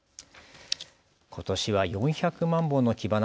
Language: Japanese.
ことしは４００万本のキバナ